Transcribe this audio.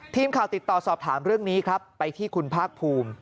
ทีมข่าวติดต่อสอบถามเรื่องนี้ครับไปที่คุณภาคภูมิ